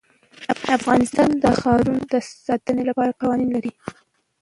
افغانستان د ښارونو د ساتنې لپاره قوانین لري.